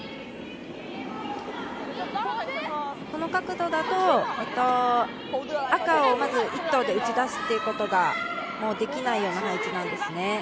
この角度だと赤をまず１投で打ち出すということがもうできないような配置なんですね。